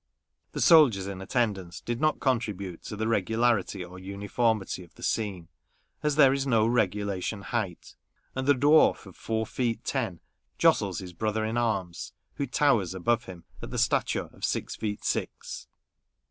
The soldiers in attendance did not contribute to the regularity or uniformity of the scene, as there is no regulation height, and the dwarf of four feet ten jostles his brother in arms who towers above him at the stature of six feet six.